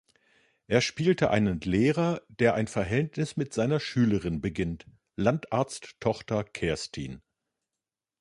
Er spielte einen Lehrer, der ein Verhältnis mit seiner Schülerin beginnt, Landarzt-Tochter Kerstin.